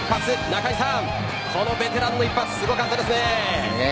中居さん、このベテランの一発すごかったですね。